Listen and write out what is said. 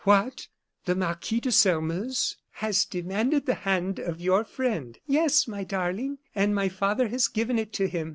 "What! the Marquis de Sairmeuse?" "Has demanded the hand of your friend. Yes, my darling; and my father has given it to him.